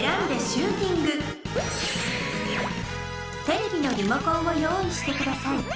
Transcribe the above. テレビのリモコンをよういしてください。